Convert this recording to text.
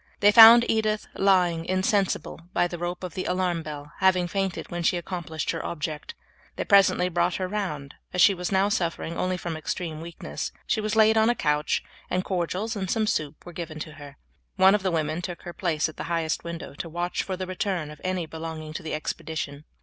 They found Edith lying insensible by the rope of the alarm bell, having fainted when she had accomplished her object. They presently brought her round; as she was now suffering only from extreme weakness, she was laid on a couch, and cordials and some soup were given to her. One of the women took her place at the highest window to watch for the return of any belonging to the expedition.